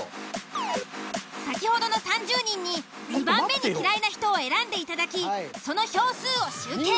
先ほどの３０人に２番目に嫌いな人を選んでいただきその票数を集計。